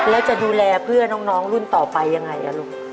แล้วจะดูแลเพื่อน้องรุ่นต่อไปยังไงลูก